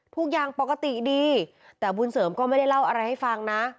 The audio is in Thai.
ทุกอย่างปกติดีแต่บุญเสริมก็ไม่ได้เล่าอะไรให้ฟังนะ